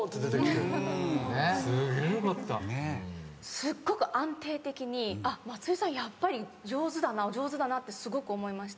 すっごく安定的に松井さんやっぱり上手だな上手だなってすごく思いました。